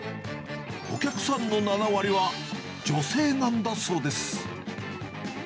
お客さんの７割は女性なんだそうです。